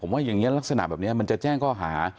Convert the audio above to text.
ว่าอย่างนี้ลักษณะแบบนี้มันจะแจ้งข้อหา